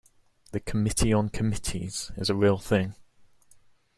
The Committee on Committees is a real thing.